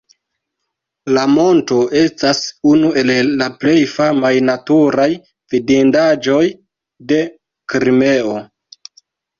La monto estas unu el la plej famaj naturaj vidindaĵoj de Krimeo.